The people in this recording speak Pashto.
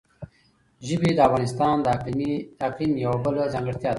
ژبې د افغانستان د اقلیم یوه بله ځانګړتیا ده.